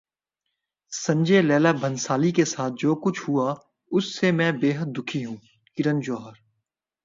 سنجے لیلا بھنسالی کے ساتھ جو کچھ ہوا اس سے میں بیحد دکھی ہوں: کرن جوہر